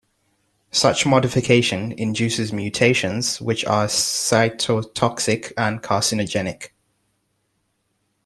Such modification induces mutations, which are cytotoxic and carcinogenic.